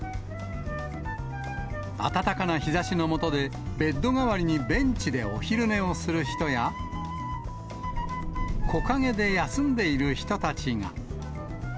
暖かな日ざしのもとで、ベッド代わりにベンチでお昼寝をする人や、木陰で休んでいる人たちが。